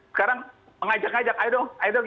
sekarang mengajak ajak ayo dong